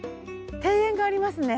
庭園がありますね。